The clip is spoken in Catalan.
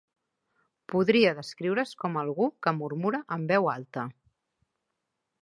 Podria descriure's com algú que murmura en veu alta.